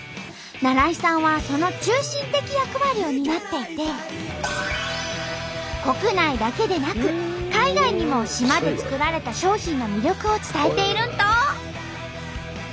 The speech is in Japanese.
那良伊さんはその中心的役割を担っていて国内だけでなく海外にも島で作られた商品の魅力を伝えているんと！